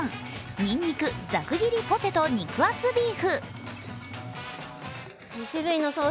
にんにくザク切りポテト肉厚ビーフ。